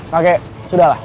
pak gek sudah lah